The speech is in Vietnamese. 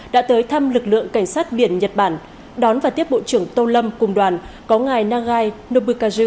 đã tới thăm lực lượng cảnh sát biển nhật bản đón và tiếp bộ trưởng tô lâm cùng đoàn có ngài nagabukazu